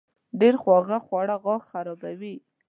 ډېر خواږه خواړه غاښونه خرابوي.